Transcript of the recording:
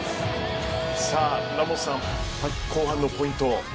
ラモスさん、後半のポイントを。